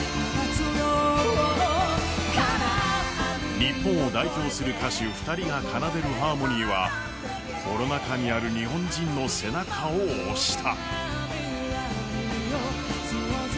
日本を代表する歌手２人が奏でるハーモニーはコロナ禍にある日本人の背中を押した。